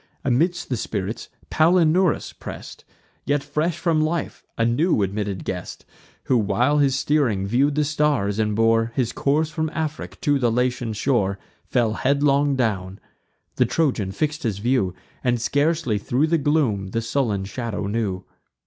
Amidst the spirits, Palinurus press'd, Yet fresh from life, a new admitted guest, Who, while he steering view'd the stars, and bore His course from Afric to the Latian shore, Fell headlong down. The Trojan fix'd his view, And scarcely thro' the gloom the sullen shadow knew.